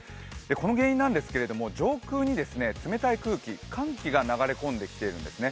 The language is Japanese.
この原因なんですけど、上空に冷たい空気、寒気が流れ込んできているんですね。